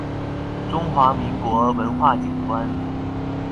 中華民國文化景觀